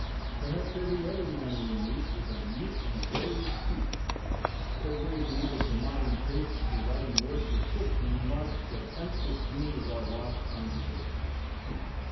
Perhaps every other man we meet is a mute and glorious Pepys, or it may be that the modern taste for writing works of fiction marks the thankless doom of our lost conversationalists.